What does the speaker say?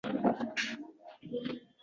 yil iyulda Katta Qumrabot deb o‘zgartirilgan.